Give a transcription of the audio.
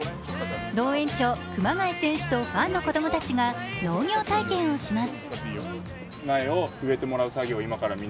農園長・熊谷選手とファンの子供たちが農業体験をします。